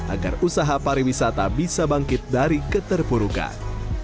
agar usaha pariwisata bisa bangkit dari keterpurukan